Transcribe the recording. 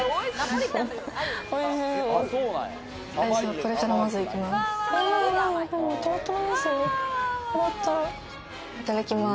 これからまず行きます。